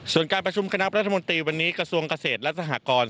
ส่วนการประชุมคณะรัฐมนตรีวันนี้กระทรวงเกษตรและสหกร